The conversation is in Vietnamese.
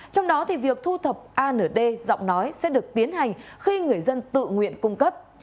trong đó thì việc thu thập a nửa d giọng nói sẽ được tiến hành khi người dân tự nguyện cung cấp